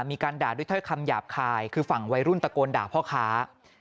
มีการด่าด้วยถ้อยคำหยาบคายคือฝั่งวัยรุ่นตะโกนด่าพ่อค้า